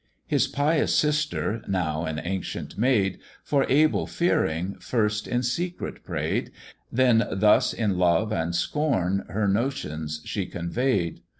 His pious sister, now an ancient maid, For Abel fearing, first in secret pray'd; Then thus in love and scorn her notions she convey'd.